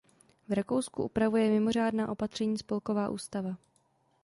V Rakousku upravuje mimořádná opatření spolková ústava.